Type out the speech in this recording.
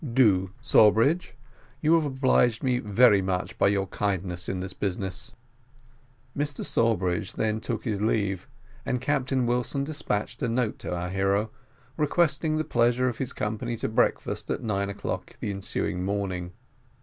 "Do, Sawbridge; you have obliged me very much by your kindness in this business." Mr Sawbridge then took his leave, and Captain Wilson despatched a note to our hero, requesting the pleasure of his company to breakfast at nine o'clock the ensuing morning.